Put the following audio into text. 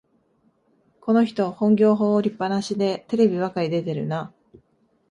この人、本業を放りっぱなしでテレビばかり出てるな